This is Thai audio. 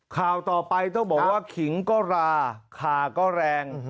ข่าวต่อไปต้องบอกว่าขิงก็ราคาก็แรง